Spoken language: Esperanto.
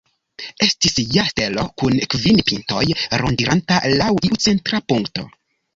Estis ja stelo, kun kvin pintoj, rondiranta laŭ iu centra punkto.